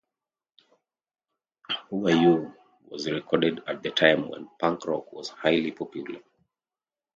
"Who Are You" was recorded at the time when punk rock was highly popular.